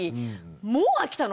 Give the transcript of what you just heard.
もう飽きたの？